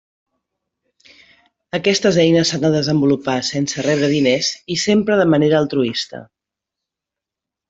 Aquestes eines s'han de desenvolupar sense rebre diners i sempre de manera altruista.